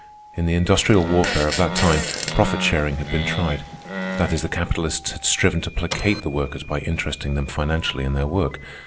In the industrial warfare of that time, profit sharing had been tried. That is, the capitalists had striven to placate the workers by interesting them financially in their work.